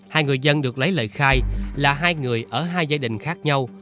hai người dân được lấy lời khai là hai người ở hai gia đình khác nhau